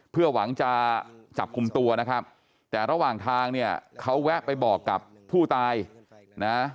เพื่อหวังจะจับกลุ่มตัวนะครับแต่ระหว่างทางเนี่ยเขาแวะไปบอกกับผู้ตายนะ